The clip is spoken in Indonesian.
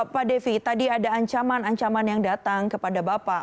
pak devi tadi ada ancaman ancaman yang datang kepada bapak